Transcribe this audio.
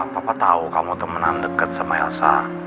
papa tahu kamu temenan deket sama elsa